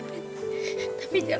tidak mau mengingatmu